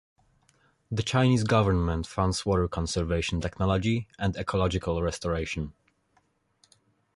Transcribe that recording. The Chinese government funds water conservation technology and ecological restoration.